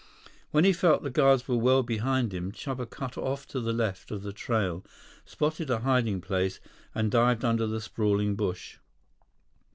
When he felt the guards were well behind him, Chuba cut off to the left of the trail, spotted a hiding place, and dived under the sprawling bush.